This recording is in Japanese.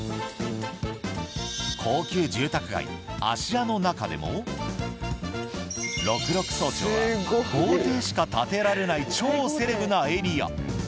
高級住宅街・芦屋の中でも六麓荘町は豪邸しか建てられない超セレブなエリア。